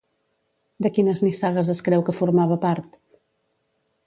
De quines nissagues es creu que formava part?